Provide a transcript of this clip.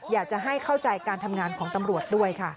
อยากจะให้เข้าใจการทำงานของตำรวจด้วยค่ะ